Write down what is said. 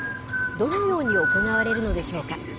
どのように行われるのでしょうか。